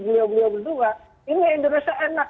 beliau beliau berdua ini indonesia enak